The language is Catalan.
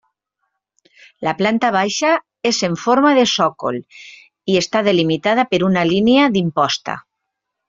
La planta baixa és en forma de sòcol i està delimitada per una línia d'imposta.